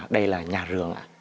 đây là nhà rường ạ